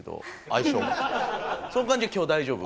その感じは今日大丈夫？